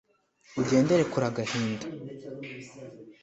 ugendere kure agahinda;